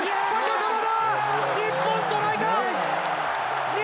日本トライだ！